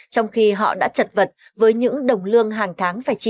trong khi họ đã chật vật với những đồng lương hàng tháng phát triển